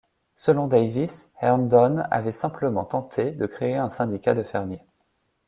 Selon Davis, Herndon avait simplement tenté de créer un syndicat de fermiers.